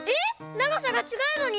ながさがちがうのに？